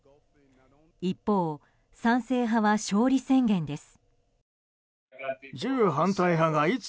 一方、賛成派は勝利宣言です。